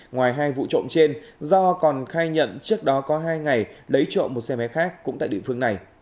ngoài hai vụ trộm trên do còn khai nhận trước đó có hai ngày lấy trộm một xe máy khác cũng tại địa phương này